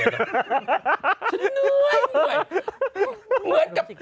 ฉันเหนื่อยเหมือนกับ